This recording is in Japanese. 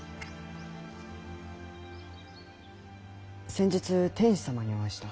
先日天子様にお会いした。